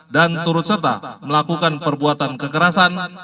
dan turut serta melakukan perbuatan kekerasan